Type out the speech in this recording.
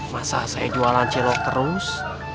masa saya jualan jelok terus